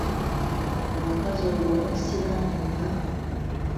Omukazi oyo wabisiraani nnyo!